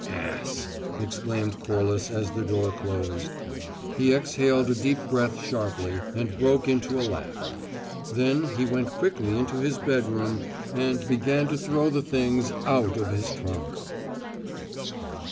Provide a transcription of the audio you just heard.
"Ass!" exclaimed Corliss, as the door closed. He exhaled a deep breath sharply, and broke into a laugh. Then he went quickly into his bedroom and began to throw the things out of his trunk.